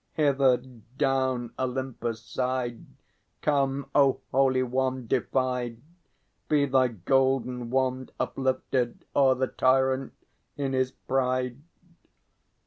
Hither down Olympus' side, Come, O Holy One defied, Be thy golden wand uplifted o'er the tyrant in his pride!